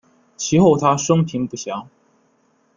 其后他生平不详。